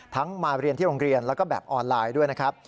มาเรียนที่โรงเรียนแล้วก็แบบออนไลน์ด้วยนะครับ